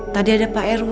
tadi ada pak rw